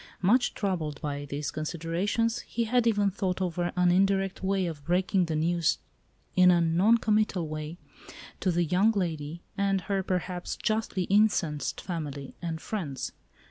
Much troubled by these considerations he had even thought over an indirect way of breaking the news, in a non committal way, to the young lady, and her (perhaps) justly incensed family and friends.